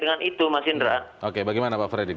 dengan itu mas indra oke bagaimana pak freddy